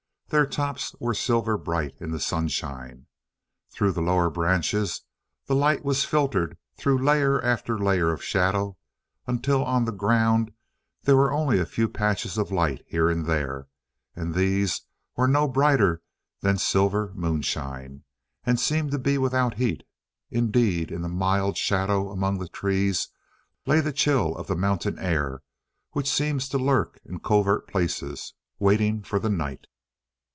Their tops were silver bright in the sunshine. Through the lower branches the light was filtered through layer after layer of shadow, until on the ground there were only a few patches of light here and there, and these were no brighter than silver moonshine, and seemed to be without heat. Indeed, in the mild shadow among the trees lay the chill of the mountain air which seems to lurk in covert places waiting for the night.